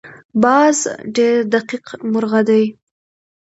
باز ډېر دقیق مرغه دی